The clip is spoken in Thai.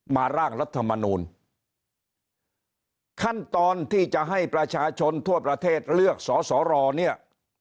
ร่างรัฐมนูลขั้นตอนที่จะให้ประชาชนทั่วประเทศเลือกสอสอรอเนี่ย